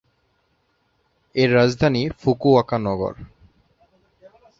এর রাজধানী ফুকুওকা নগর।